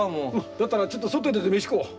だったらちょっと外へ出て飯食おう。